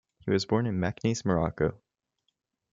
He was born in Meknes, Morocco.